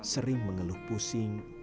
sering mengeluh pusing